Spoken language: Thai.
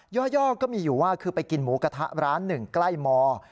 ย่อก็มีอยู่ว่าคือไปกินหมูกระทะร้านหนึ่งใกล้ม